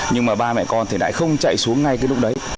nhưng mà ba mẹ con lại không chạy xuống ngay lúc đấy